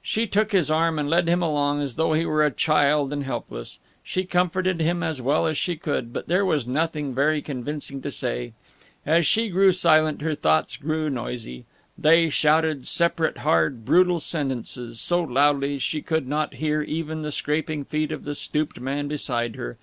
She took his arm and led him along, as though he were a child and helpless. She comforted him as well as she could, but there was nothing very convincing to say. As she grew silent her thoughts grew noisy. They shouted separate, hard, brutal sentences, so loudly that she could not hear even the scraping feet of the stooped man beside her.